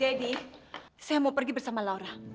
saya mau pergi bersama laura